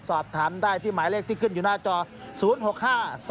สอบถามได้ที่หมายเลขที่ขึ้นอยู่หน้าจอ๐๖๕๒